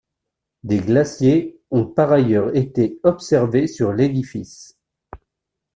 Des glaciers ont par ailleurs été observés sur l'édifice.